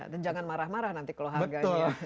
dan jangan marah marah nanti kalau harganya